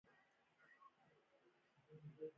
ټي شرټ داسې ښکاریده لکه پیزا چې ورسره لګیدلې وي